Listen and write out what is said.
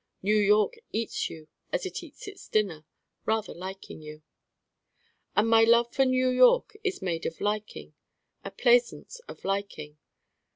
New York eats you as it eats its dinner, rather liking you. And my love for New York is made of liking: a plaisance of liking.